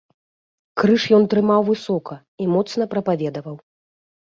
Крыж ён трымаў высока і моцна прапаведаваў.